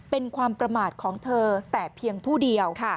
เป็นความประมาทของเธอแต่เพียงผู้เดียว